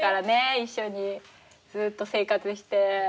一緒にずっと生活して。